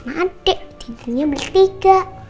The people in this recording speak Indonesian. mama sama adik tidurnya bertiga